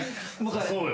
さそうよ。